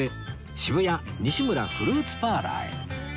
渋谷西村フルーツパーラーへ